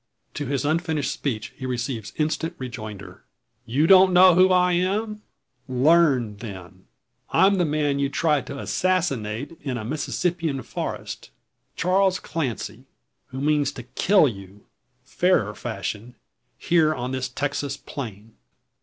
To his unfinished speech he receives instant rejoinder: "You don't know who I am? Learn then! I'm the man you tried to assassinate in a Mississippian forest Charles Clancy who means to kill you, fairer fashion, here on this Texan plain.